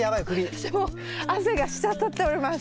私も汗が滴っております。